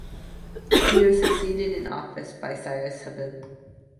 He was succeeded in office by Cyrus Habib.